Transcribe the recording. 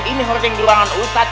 ini horking di ruangan ustadz